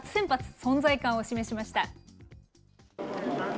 存在感を示しました。